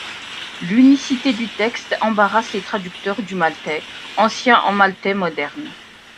L'unicité du texte embarrasse les traducteurs du maltais ancien en maltais moderne.